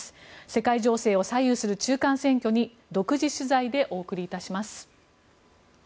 世界情勢を左右する中間選挙に独自取材でお送りいたします。